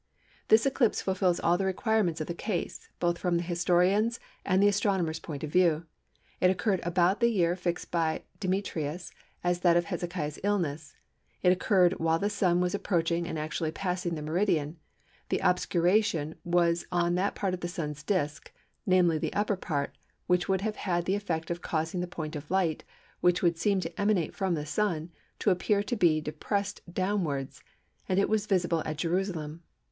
This eclipse fulfils all the requirements of the case, both from the historian's and the astronomer's point of view. It occurred about the year fixed by Demetrius as that of Hezekiah's illness: it occurred while the Sun was approaching and actually passing the meridian; the obscuration was on that part of the Sun's disc (namely the upper part) which would have had the effect of causing the point of light, which would seem to emanate from the Sun, to appear to be depressed downwards; and it was visible at Jerusalem.